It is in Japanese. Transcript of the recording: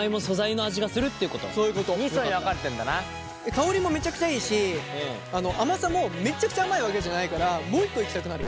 香りもめちゃくちゃいいし甘さもめっちゃくちゃ甘いわけじゃないからもう一個いきたくなる。